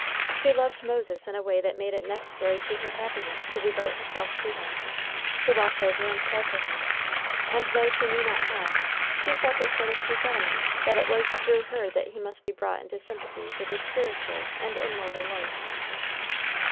She loved Moses in a way that made it necessary to her happiness to devote herself to him, to watch over and care for him; and though she knew not how, she felt a sort of presentiment that it was through her that he must be brought into sympathy with a spiritual and immortal life.